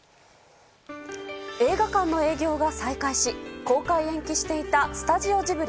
映画館の営業が再開し公開延期していたスタジオジブリ